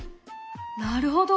なるほど！